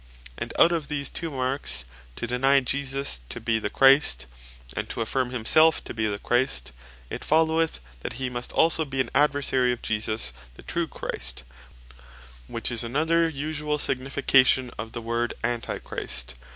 And out of these two Marks, "to deny Jesus to be the Christ," and to "affirm himselfe to be the Christ," it followeth, that he must also be an "Adversary of the true Christ," which is another usuall signification of the word Antichrist.